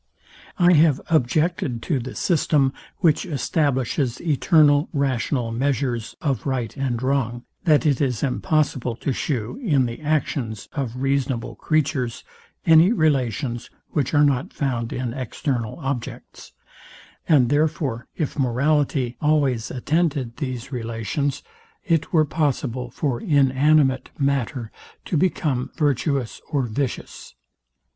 I have objected to the system, which establishes eternal rational measures of right and wrong, that it is impossible to shew, in the actions of reasonable creatures, any relations, which are not found in external objects; and therefore, if morality always attended these relations, it were possible for inanimate matter to become virtuous or vicious.